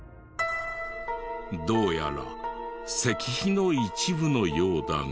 どうやら石碑の一部のようだが。